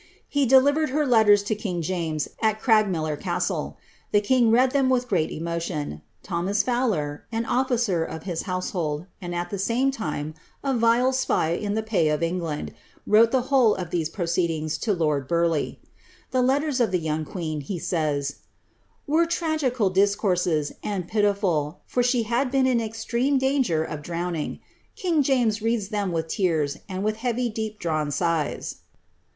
He delivered her leueri to king James, at Craigmillar Cnstle. The kin^r read them with great emotion. Thomas Fowler, an olTlcer of his household, and at the fame time a vile spy in the pay of England, wrote the whole of these proceed ings to lord Burleigh.' The letters of the young queen, he savs, '■were tragical discourses, and pitiful, for she h;id been in extreme danger of drowning; king James read them with tears, and with heavv. ijefp dtawn sighs."